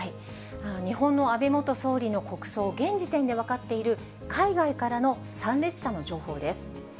日本の安倍元総理の国葬、現時点で分かっている海外からの参列者の情報です。